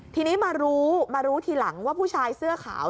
ทีนี้มารู้มารู้ทีหลังว่าผู้ชายเสื้อขาว